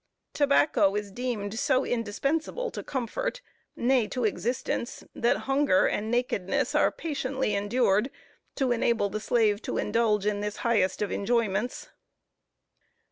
Tobacco is deemed so indispensable to comfort, nay to existence, that hunger and nakedness are patiently endured, to enable the slave to indulge in this highest of enjoyments.